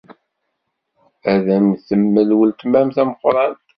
Ad m-temmel weltma-m tameqqṛant.